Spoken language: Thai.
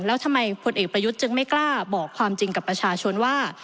แล้วทำไมพลเอกประยุทธ์จึงไม่กล้าบอกความจริงกับประชาชนว่า